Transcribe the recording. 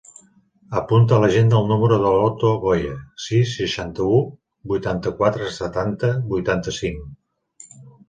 Apunta a l'agenda el número de l'Otto Goya: sis, seixanta-u, vuitanta-quatre, setanta, vuitanta-cinc.